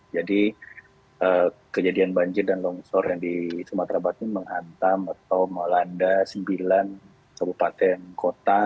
jadi kejadian banjir dan longsor yang di sumatera barat ini menghantam atau melanda sembilan kabupaten kota